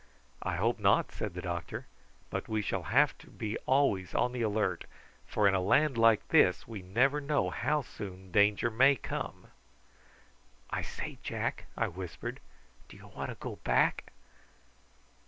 "I hope not," said the doctor; "but we shall have to be always on the alert, for in a land like this we never know how soon danger may come." "I say, Jack," I whispered, "do you want to go back?"